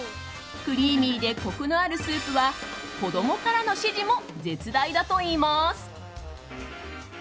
クリーミーでコクのあるスープは子供からの支持も絶大だといいます。